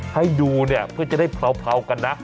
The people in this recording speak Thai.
ให้ดูเพื่อจะได้เผากันนะ